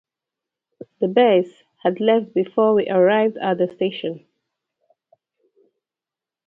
The bus had left before we arrived at the station.